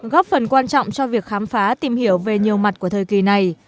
góp phần quan trọng cho việc khám phá tìm hiểu về nhiều mặt của thời kỳ này